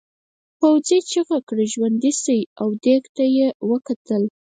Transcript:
پوځي چیغه کړه ژوندي شئ او دېگ ته یې وکتل.